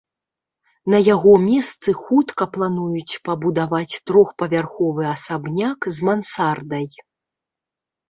На яго месцы хутка плануюць пабудаваць трохпавярховы асабняк з мансардай.